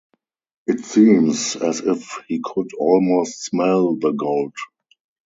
It seems as if he could almost smell the gold.